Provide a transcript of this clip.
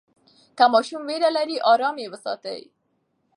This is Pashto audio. که ماشوم ویره لري، آرام یې وساتئ.